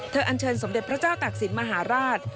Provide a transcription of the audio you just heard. เธออัญชนสมเด็จพระเจ้าตากศิลป์มหาราช